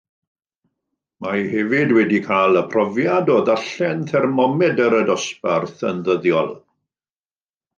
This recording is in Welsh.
Mae hefyd wedi cael y profiad o ddarllen thermomedr y dosbarth yn ddyddiol